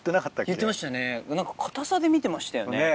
言ってましたね硬さで見てましたよね。